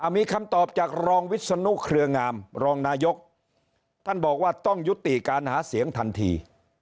มีคำตอบจากรองวิศนุเครืองามรองนายกท่านบอกว่าต้องยุติการหาเสียงทันที